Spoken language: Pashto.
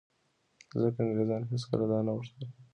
ځکه انګرېزانو هېڅکله دا نه غوښتل